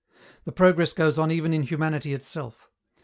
The progress goes on even in humanity itself.